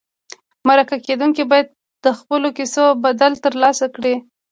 مرکه کېدونکي باید د خپلو کیسو بدل ترلاسه کړي.